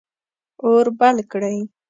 اور بل کړئ